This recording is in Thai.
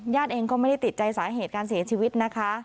เองก็ไม่ได้ติดใจสาเหตุการเสียชีวิตนะคะ